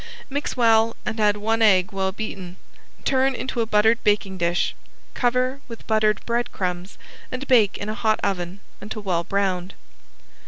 Mix well and add one egg well beaten. Turn into a buttered baking dish, cover with buttered breadcrumbs and bake in a hot oven until well browned.